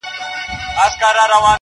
ستا له غمه مي بدن ټوله کړېږي,